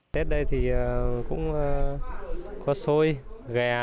tết đây thì cũng có xôi gà